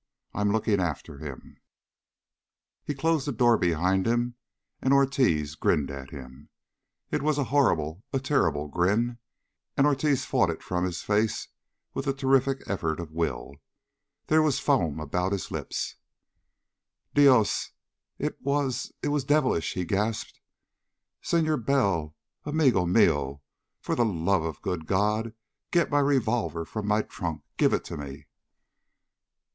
I'm looking after him." He closed the door behind him, and Ortiz grinned at him. It was a horrible, a terrible grin, and Ortiz fought it from his face with a terrific effort of will. There was foam about his lips. "Dios! It was it was devilish!" he gasped. "Senor Bell, amigo mio, for the love of the good God get my revolver from my trunk. Give it to me...."